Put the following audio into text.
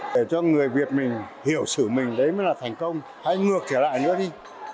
để cho người việt mình hiểu xử mình đấy mới là thành công hay ngược trở lại nữa đi